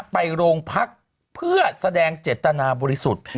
ไปโรงพักเพื่อแสดงเจตนาบริสุทธิ์